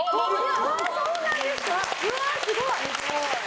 うわ、すごい！